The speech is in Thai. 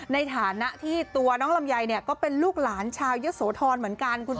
ในฐานะที่ตัวน้องลำไยก็เป็นลูกหลานชาวเยอะโสธรเหมือนกัน